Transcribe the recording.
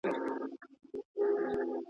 ¬ که هر څه وږی يم، سږي نه خورم.